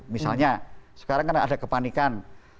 misalnya sekarang kan ada kepanikan